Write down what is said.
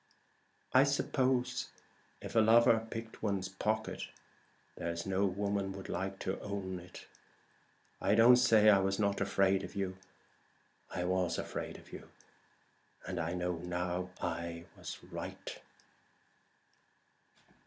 "I suppose if a lover picked one's pocket, there's no woman would like to own it. I don't say I was not afraid of you: I was afraid of you, and I know now I was right."